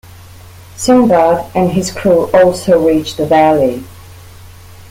Sinbad and his crew also reach the valley.